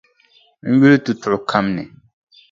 N yuli tutuɣu kam ni.